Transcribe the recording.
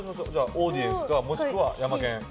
オーディエンスかもしくはヤマケン。